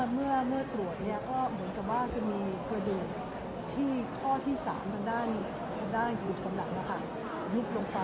เมื่อตรวจก็เหมือนกับว่าจะมีประดูกที่ข้อที่๓ทางด้านกรุษสำหรับมหาลิกลงไป